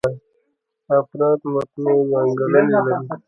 افراد متنوع ځانګړنې لري.